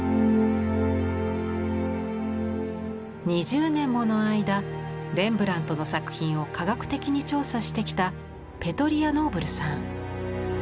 ２０年もの間レンブラントの作品を科学的に調査してきたペトリア・ノーブルさん。